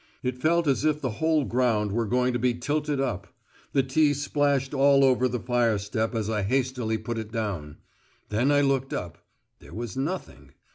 It felt as if the whole ground were going to be tilted up. The tea splashed all over the fire step as I hastily put it down. Then I looked up. There was nothing.